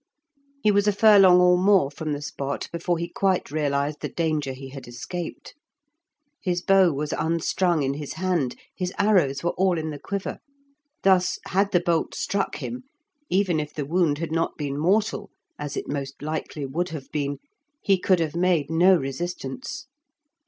He was a furlong or more from the spot before he quite realized the danger he had escaped. His bow was unstrung in his hand, his arrows were all in the quiver; thus, had the bolt struck him, even if the wound had not been mortal (as it most likely would have been) he could have made no resistance.